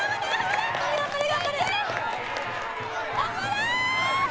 頑張れ！